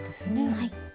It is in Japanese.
はい。